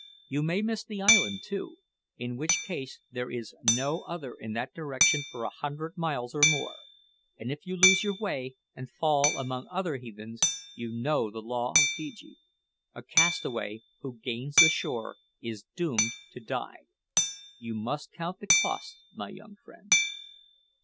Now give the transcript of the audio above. You may miss the island, too, in which case there is no other in that direction for a hundred miles or more; and if you lose your way and fall among other heathens, you know the law of Feejee a castaway who gains the shore is doomed to die. You must count the cost, my young friend."